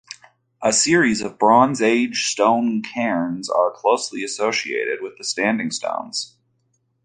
A series of Bronze Age stone cairns are closely associated with the standing stones.